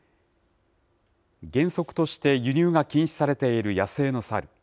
原則として輸入が禁止されている野生の猿。